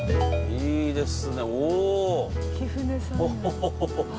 いいです。